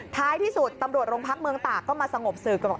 ท้ายที่สุดตำรวจโรงพักเมืองตากก็มาสงบสื่อก็บอก